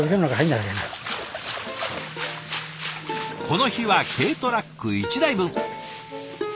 この日は軽トラック１台分。